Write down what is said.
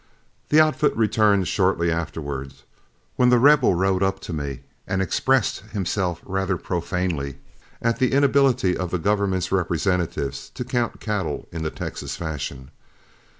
The outfit returned shortly afterward, when The Rebel rode up to me and expressed himself rather profanely at the inability of the government's representatives to count cattle in Texas fashion.